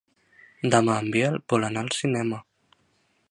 Demà en Biel vol anar al cinema.